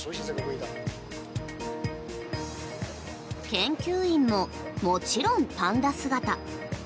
研究員ももちろんパンダ姿。